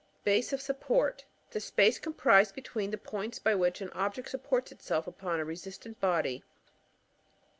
Base op support. — ^The space com prised between the points by which an object supports itself upon a resistant body.